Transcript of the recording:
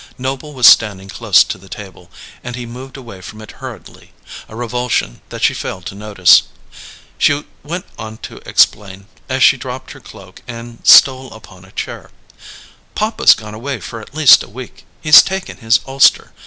Noble was standing close to the table, and he moved away from it hurriedly a revulsion that she failed to notice. She went on to explain, as she dropped her cloak and stole upon a chair: "Papa's gone away for at least a week. He's taken his ulster.